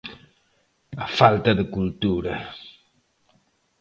¡A falta de cultura!